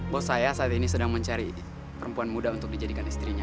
bos saya saat ini sedang mencari perempuan muda untuk dijadikan istrinya